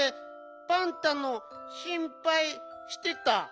パンタのしんぱいしてた。